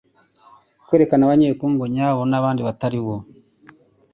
kwerekana Abanye-Congo nyabo n'abandi batari bo.